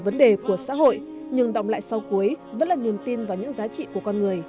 vấn đề của xã hội nhưng động lại sau cuối vẫn là niềm tin vào những giá trị của con người